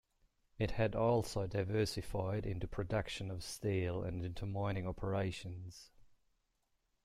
It had also diversified into production of steel and into mining operations.